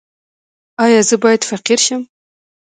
ایا زه باید فقیر شم؟